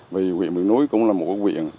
vì huyện miền núi cũng là một huyện